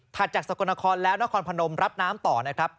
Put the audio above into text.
จากสกลนครแล้วนครพนมรับน้ำต่อนะครับ